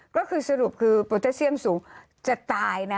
ก็คือสรุปคือโปรเตอร์เซียมสูงจะตายนะ